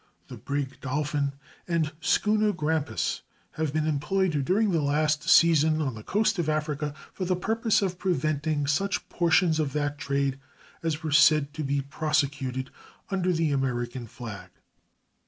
The brig Dolphin and schooner Grampus have been employed during the last season on the coast of Africa for the purpose of preventing such portions of that trade as were said to be prosecuted under the American flag.